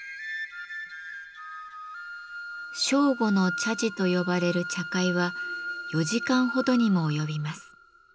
「正午の茶事」と呼ばれる茶会は４時間ほどにも及びます。